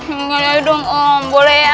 enggak ada dong om boleh ya